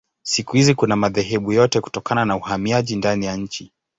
Siku hizi kuna madhehebu yote kutokana na uhamiaji ndani ya nchi.